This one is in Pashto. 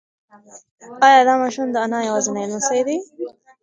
ایا دا ماشوم د انا یوازینی لمسی دی؟